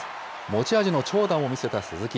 持ち味の長打も見せた鈴木。